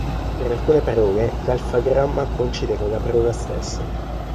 Per alcune parole, l'alfagramma coincide con la parola stessa.